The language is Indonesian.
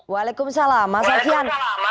waalaikumsalam mas sofian